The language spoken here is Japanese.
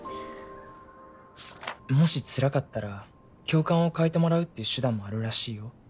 もしつらかったら教官を替えてもらうっていう手段もあるらしいよ。